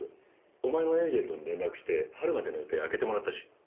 お前のエージェントに連絡して春までの予定空けてもらったし。